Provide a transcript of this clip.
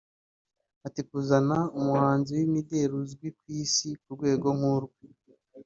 Ati “Kuzana umuhanzi w’imideli uzwi ku isi ku rwego nk’urwe